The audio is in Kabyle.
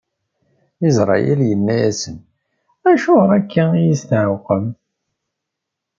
Isṛayil inna-asen: Acuɣer akka i yi-tesɛewqem?